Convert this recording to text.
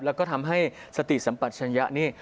แล้วก็ทำให้สติสัมปัชญะนี่